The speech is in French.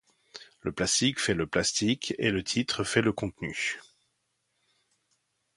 Le plastique fait la plastique et le titre fait le contenu.